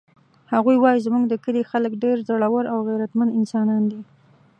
هغه وایي چې زموږ د کلي خلک ډېر زړور او غیرتمن انسانان دي